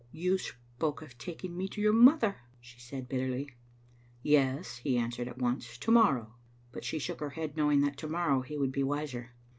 " You spoke of taking me to your mother," she said, bitterly. "Yes," he answered at once, "to morrow"; but she shook her head, knowing that to morrow he would be wiser.